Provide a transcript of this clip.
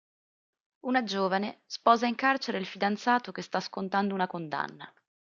Una giovane sposa in carcere il fidanzato che sta scontando una condanna.